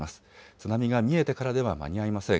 津波が見えてからでは間に合いません。